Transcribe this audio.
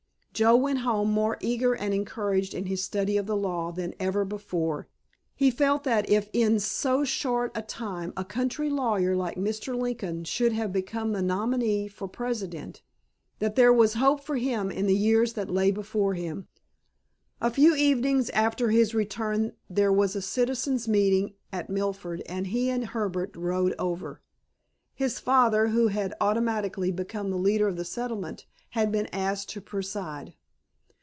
Joe went home more eager and encouraged in his study of the law than ever before. He felt that if in so short a time a country lawyer like Mr. Lincoln should have become the nominee for President that there was hope for him in the years that lay before him. A few evenings after his return there was a citizens' meeting at Milford, and he and Herbert rode over. His father, who had automatically become the leader of the settlement, had been asked to preside.